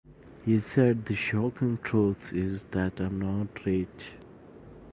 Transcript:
He said: The shocking truth is, that I'm not rich.